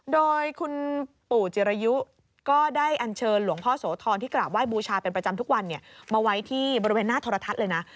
โดยคุณปู่จิรยุก็ได้อันเชิญหลวงพ่อโสธรที่กราบไห้บูชาเป็นประจำทุกวันมาไว้ที่บริเวณหน้าโทรทัศน์เลยนะ